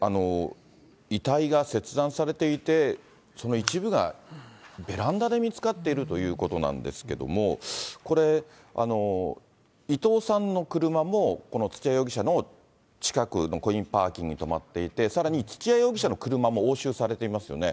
遺体が切断されていて、その一部がベランダで見つかっているということなんですけれども、伊藤さんの車も、土屋容疑者の近くのコインパーキングに止まっていて、さらに土屋容疑者の車も押収されていますよね。